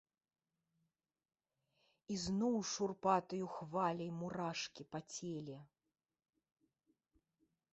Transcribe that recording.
І зноў шурпатаю хваляй мурашкі па целе.